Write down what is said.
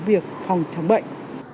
việc phòng chống bệnh